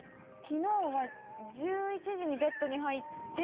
昨日は１１時にベッドに入って。